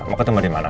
mau ketemu dimana